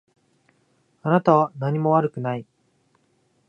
あなたは何も悪くない。